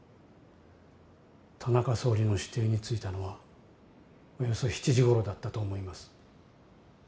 田中総理の私邸に着いたのはおよそ７時ごろだったと思います。